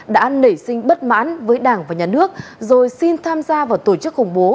đã nảy sinh bất mãn với đảng và nhà nước rồi xin tham gia vào tổ chức khủng bố